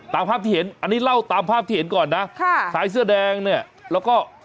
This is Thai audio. ตามภาพที่เห็นอันนี้เล่าตามภาพที่เห็นก่อนนะค่ะชายเสื้อแดงเนี่ยแล้วก็